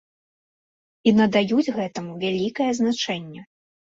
І надаюць гэтаму вялікае значэнне.